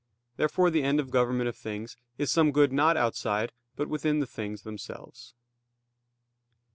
Therefore the end of government of things is some good not outside, but within the things themselves.